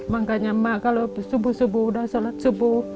makanya mak kalau subuh subuh udah sholat subuh